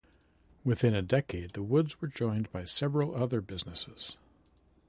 Within a decade the Woods were joined by several other businesses.